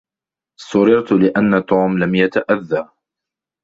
سررت لأن توم لم يتأذى.